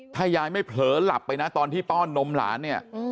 ถ้ายายไม่เผลอหลับไปนะตอนที่ป้อนนมหลานเนี่ย